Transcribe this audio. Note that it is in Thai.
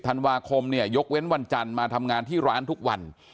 ธันวาคมเนี่ยยกเว้นวันจันทร์มาทำงานที่ร้านทุกวัน